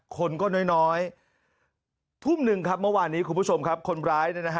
คนก็น้อยทุ่มหนึ่งครับเมื่อวานนี้คุณผู้ชมครับคนร้ายเนี่ยนะฮะ